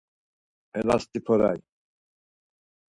Elast̆ip̌oray!